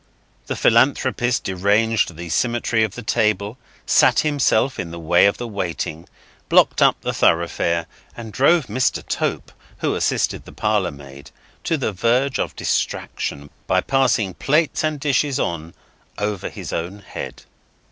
The philanthropist deranged the symmetry of the table, sat himself in the way of the waiting, blocked up the thoroughfare, and drove Mr. Tope (who assisted the parlour maid) to the verge of distraction by passing plates and dishes on, over his own head.